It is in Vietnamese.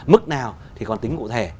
mức nào thì còn tính cụ thể